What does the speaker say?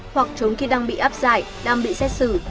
hoặc trốn khi đang bị áp giải đang bị xét xử